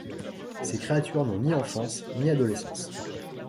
Ces créatures n’ont ni enfance ni adolescence.